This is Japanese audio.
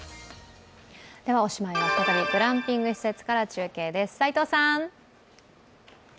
おしまいに再び、グランピング施設から中継です、齊藤さん。